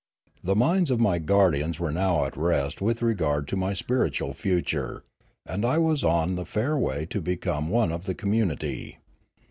The minds of my guardians were now at rest with regard to my spiritual future, and I was on the fair way to become one of the community.